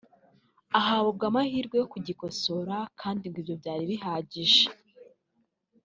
ahabwa amahirwe yo kugikosora kandi ngo ibyo byari bihagije